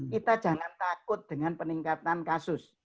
kita jangan takut dengan peningkatan kasus